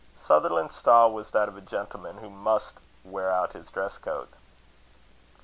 Sutherland's style was that of a gentleman who must wear out his dress coat.